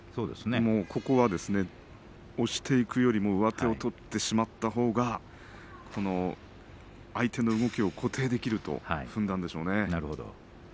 ここは押していくよりも上手を取ってしまったほうが相手の動きを固定できると踏んだんでしょうね。